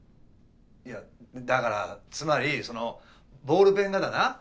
いやだからつまりそのボールペンがだな。